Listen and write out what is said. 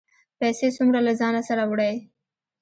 پیسې څومره له ځانه سره وړئ؟